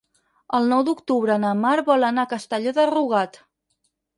El nou d'octubre na Mar vol anar a Castelló de Rugat.